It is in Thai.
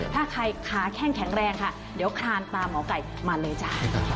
ถ้าใครขาแข้งแข็งแรงค่ะเดี๋ยวคลานตามหมอไก่มาเลยจ้ะ